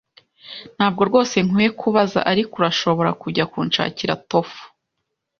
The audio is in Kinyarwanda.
Ntabwo rwose nkwiye kubaza, ariko urashobora kujya kunshakira tofu?